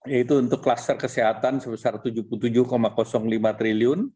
yaitu untuk kluster kesehatan sebesar rp tujuh puluh tujuh lima triliun